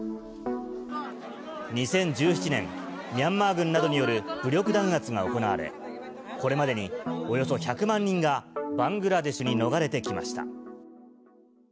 ２０１７年、ミャンマー軍などによる武力弾圧が行われ、これまでにおよそ１００万人が、バングラデシュに逃れてきました。